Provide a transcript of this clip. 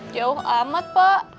jauh amat pak